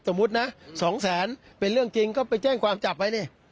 สมมุตินะ๒แสนเป็นเรื่องจริงก็ไปแจ้งความจับไว้นี่